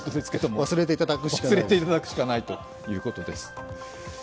忘れていただくしかないということです。